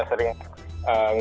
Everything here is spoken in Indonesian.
sistem imun kita juga